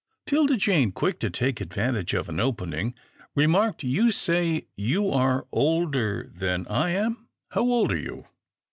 'Tilda Jane, quick to take advantage of an opening, remarked, " You say you are older than I am. How old are you